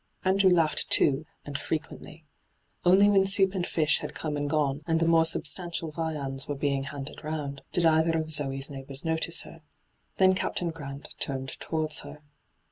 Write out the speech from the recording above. Andrew laughed, too, and frequently. Only when soup and fish had come and gone, and the more substantial viands were being handed round, did either of Zoe's neighbours notice her. Then Captain Grant turned towards her.